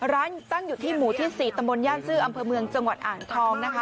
ตั้งอยู่ที่หมู่ที่๔ตำบลย่านซื้ออำเภอเมืองจังหวัดอ่างทองนะคะ